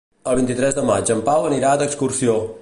El vint-i-tres de maig en Pau anirà d'excursió.